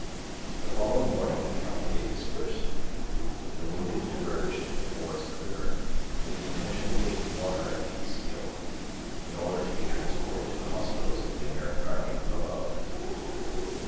The following morning the cavalcade dispersed. The wounded diverged towards the river, with the intention of taking water at Peekskill, in order to be transported to the hospitals of the American army above.